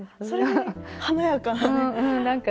それで華やかな。